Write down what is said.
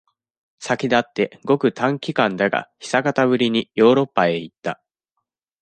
先だって、ごく短期間だが、久方ぶりに、ヨーロッパへ行った。